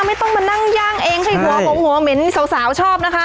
ไม่ต้องมานั่งย่างเองให้หัวผมหัวเหม็นสาวชอบนะคะ